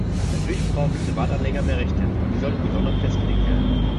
Natürlich brauchen Privatanleger mehr Rechte, aber diese sollten gesondert festgelegt werden.